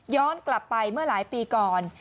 กลับไปเมื่อหลายปีก่อน